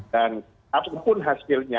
dan apapun hasilnya